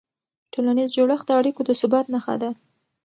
ټولنیز جوړښت د اړیکو د ثبات نښه ده.